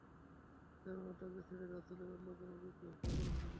কেননা তাঁকে ছাড়া রাসূলের অন্য কোন দূতকে হত্যা করা হয়নি।